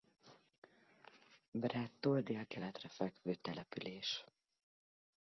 Brádtól délkeletre fekvő település.